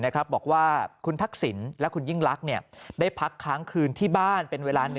บอกว่าคุณทักษิณและคุณยิ่งลักษณ์ได้พักค้างคืนที่บ้านเป็นเวลา๑